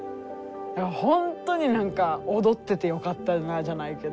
だから本当に何か踊っててよかったなじゃないけど。